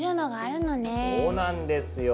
そうなんですよ。